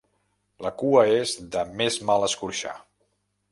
La cua és de més mal escorxar.